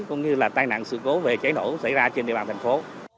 cũng như là tai nạn sự cố về cháy nổ xảy ra trên địa bàn thành phố